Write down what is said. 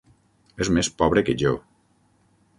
És més pobre que jo.